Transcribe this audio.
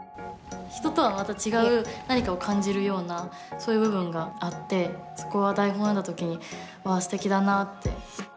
人とはまた違う何かを感じるようなそういう部分があってそこは台本を読んだ時にわあすてきだなって。